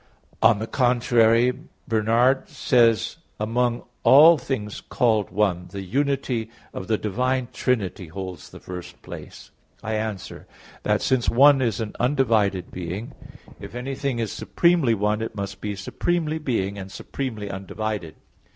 _ On the contrary, Bernard says (De Consid. v): "Among all things called one, the unity of the Divine Trinity holds the first place." I answer that, Since one is an undivided being, if anything is supremely one it must be supremely being, and supremely undivided.